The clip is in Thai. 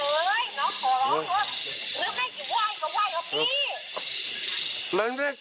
มันมันไม่เกี่ยวได้ยังไงสิยุทธ์